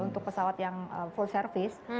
untuk pesawat yang full service